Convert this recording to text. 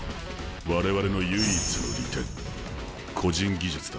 我々の唯一の利点個人技術だ。